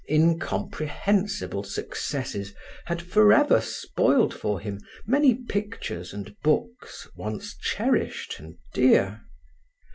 Incomprehensible successes had forever spoiled for him many pictures and books once cherished and dear.